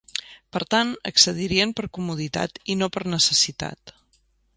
Per tant accedirien per comoditat i no per necessitat.